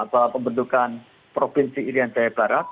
bahwa pembentukan provinsi irian jaya barat